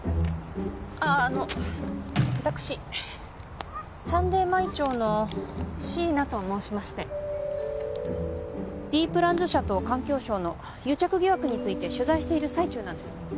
あああの私サンデー毎朝の椎名と申しましてＤプランズ社と環境省の癒着疑惑について取材している最中なんです